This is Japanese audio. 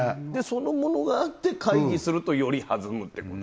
そのものがあって会議するとより弾むってことですね